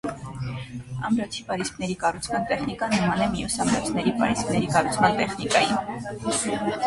Ամրոցի պարիսպների կառուցման տեխնիկան նման է մյուս ամրոցների պարիսպների կառուցման տեխնիկային։